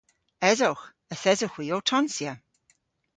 Esowgh. Yth esowgh hwi ow tonsya.